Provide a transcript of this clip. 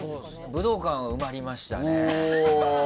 武道館、埋まりましたね。